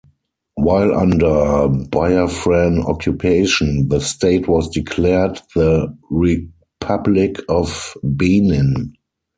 While under Biafran occupation, the state was declared the "Republic of Benin".